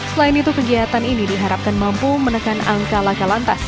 selain itu kegiatan ini diharapkan mampu menekan angka lakalantas